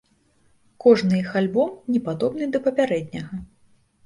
Кожны іх альбом не падобны да папярэдняга.